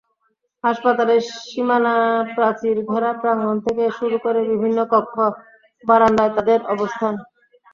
হাসপাতালের সীমানাপ্রাচীর ঘেরা প্রাঙ্গণ থেকে শুরু করে বিভিন্ন কক্ষ, বারান্দায় তাঁদের অবস্থান।